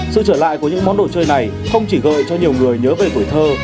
sự trở lại của những món đồ chơi này không chỉ gợi cho nhiều người nhớ về tuổi thơ